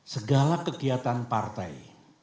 segala kegiatan partai